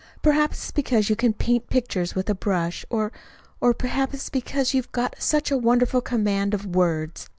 Perhaps it's because you can paint pictures with a brush. Or or perhaps it's because you've got such a wonderful command of words."